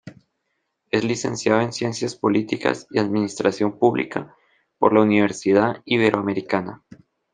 Es Licenciado en Ciencias Políticas y Administración Pública por la Universidad Iberoamericana.